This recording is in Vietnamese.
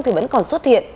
thì vẫn còn xuất hiện